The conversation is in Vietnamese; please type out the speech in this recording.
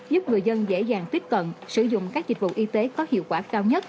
giúp người dân dễ dàng tiếp cận sử dụng các dịch vụ y tế có hiệu quả cao nhất